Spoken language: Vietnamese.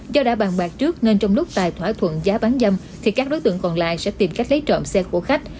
do đã bàn bạc trước nên trong lúc tài thỏa thuận giá bán dâm thì các đối tượng còn lại sẽ tìm cách lấy trộm xe của khách